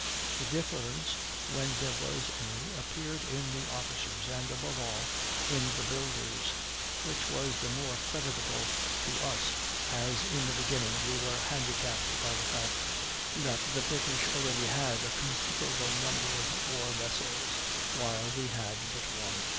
The difference, when there was any, appeared in the officers, and, above all, in the builders; which was the more creditable to us, as in the beginning we were handicapped by the fact that the British already had a considerable number of war vessels, while we had but one.